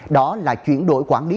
đó là chuyển đổi quản lý